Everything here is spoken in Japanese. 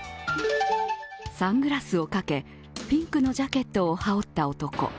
サングラスをかけ、ピンクのジャケットを羽織った男。